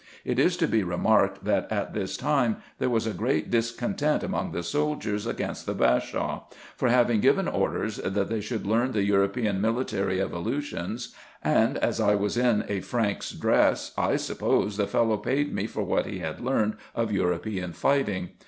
It is to be remarked, that, at this time, there was a great discontent among the soldiers against the Bashaw," for having given orders, that they should learn the European military evolutions ; and, as I was in a Frank's dress, I suppose the fellow paid me for what he had learned of European fighting.